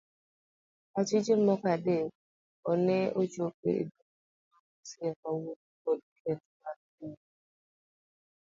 Achije moko adek ne ochopii edoho ma busia kawuono kod keth mar kuo.